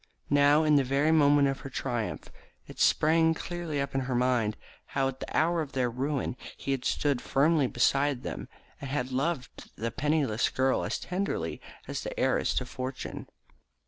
Now, in the very moment of her triumph, it sprang clearly up in her mind how at the hour of their ruin he had stood firmly by them, and had loved the penniless girl as tenderly as the heiress to fortune.